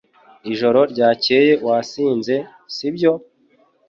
Ijoro ryakeye wasinze, si byo?